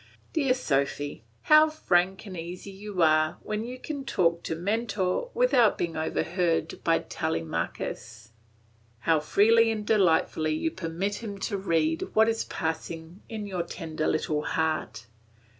Dear Sophy, how frank and easy you are when you can talk to Mentor without being overheard by Telemachus. How freely and delightfully you permit him to read what is passing in your tender little heart!